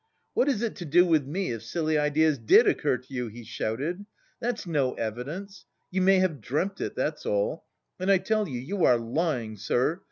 "What is it to do with me if silly ideas did occur to you?" he shouted, "that's no evidence. You may have dreamt it, that's all! And I tell you, you are lying, sir.